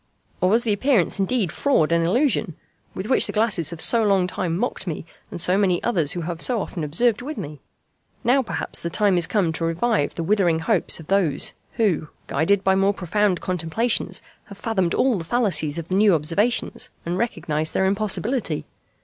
Or was the appearance indeed fraud and illusion, with which the glasses have so long time mocked me and so many others who have so often observed with me? Now perhaps the time is come to revive the withering hopes of those, who, guided by more profound contemplations, have fathomed all the fallacies of the new observations and recognized their impossibility!